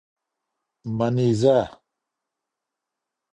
منېزه